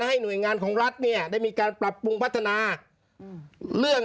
ให้หน่วยงานของรัฐเนี่ยได้มีการปรับปรุงพัฒนาเรื่อง